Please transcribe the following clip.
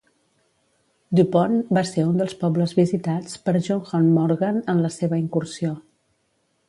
Dupont va ser un dels pobles visitats per John Hunt Morgan en la seva incursió.